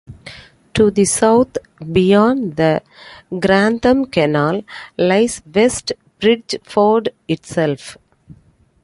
To the south, beyond the Grantham Canal, lies West Bridgford itself.